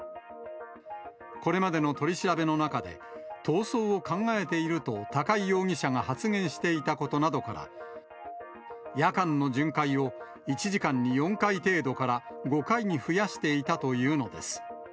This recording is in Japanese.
これまでの取り調べの中で、逃走を考えていると高井容疑者が発言していたことなどから、夜間の巡回を１時間に４回程度から５回に増やしていたというのです。